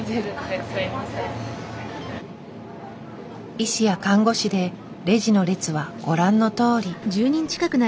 医師や看護師でレジの列はご覧のとおり。